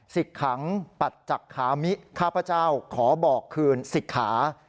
ศิกขังปัจจักขามิฮิติข้าพเจ้าขอบอกคืนศิกขา